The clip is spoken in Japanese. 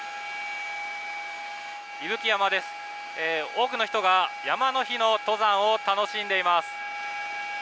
多くの人が山の日の登山を楽しんでいます。